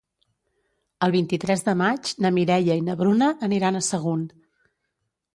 El vint-i-tres de maig na Mireia i na Bruna aniran a Sagunt.